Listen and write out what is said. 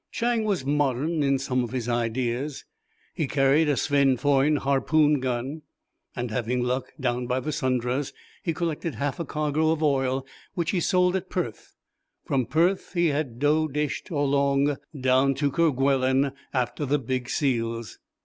Chang was modern in some of his ideas, he carried a Swenfoyn harpoon gun and, having luck down by the Sundas, he collected half a cargo of oil which he sold at Perth; from Perth he had dough dished along down to Kerguelen after the "big seals."